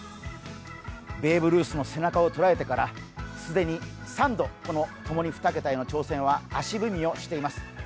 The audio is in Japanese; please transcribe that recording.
ベーブ・ルースの背中を捉えてから既に３度、ともに、２桁への挑戦は足踏みをしています。